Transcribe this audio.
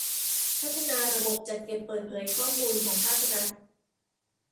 พัฒนาระบบจัดเก็บเปิดเผยข้อมูลของภาครัฐ